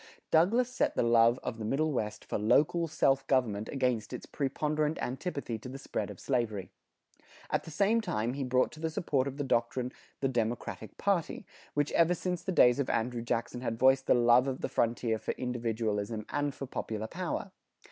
Douglas set the love of the Middle West for local self government against its preponderant antipathy to the spread of slavery. At the same time he brought to the support of the doctrine the Democratic party, which ever since the days of Andrew Jackson had voiced the love of the frontier for individualism and for popular power.